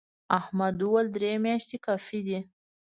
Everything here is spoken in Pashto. احمد وويل: درې میاشتې کافي دي.